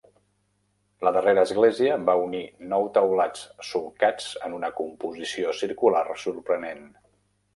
La darrera església va unir nou teulats solcats en una composició circular sorprenent.